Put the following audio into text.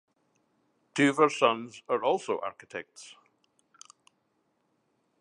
Two of her sons are also architects.